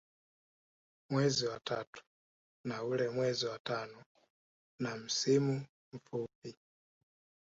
Mwezi wa tatu na ule mwezi wa Tano na msimu mfupi